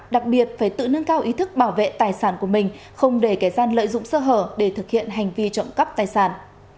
đặc biệt phải tự nâng cao ý thức bảo vệ tài sản của mình không để kẻ gian lợi dụng sơ hở để thực hiện hành vi trộm cắp tài sản